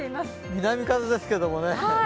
南風ですけどもね。